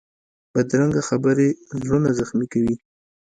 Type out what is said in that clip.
بدرنګه خبرې زړونه زخمي کوي